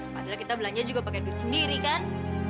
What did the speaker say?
padahal kita belanja juga pakai duit sendiri kan